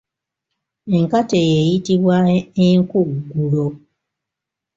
Enkata eyo eyitibwa enkuggulo.